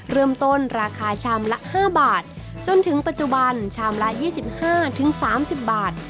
เริ่มต้นราคาชามละ๕บาทจนถึงปัจจุบันชามละ๒๕๓๐บาท